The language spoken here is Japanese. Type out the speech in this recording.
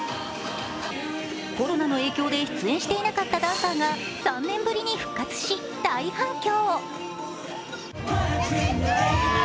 コロナの影響で出演していなかったダンサーが３年ぶりに復活し、大反響。